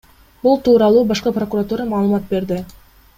Бул тууралуу башкы прокуратура маалымат берди.